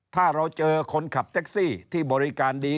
ถ้าเราเจอคนขับแท็กซี่ที่บริการดี